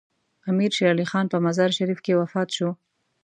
امیر شیر علي خان په مزار شریف کې وفات شو.